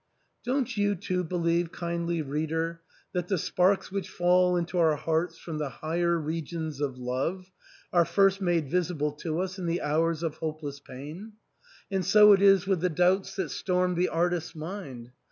Don't you too believe, kindly reader, that the sparks which fall into our hearts from the higher regions of Love are first made visible to us in the hours of hope less pain ? And so it is with the doubts that storm the artist's mind.